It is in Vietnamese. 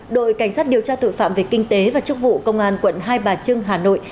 đội cảnh sát điều tra tội phạm về kinh tế và chức vụ công an quận hai bà trưng hà nội